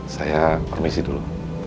saya permisi dulu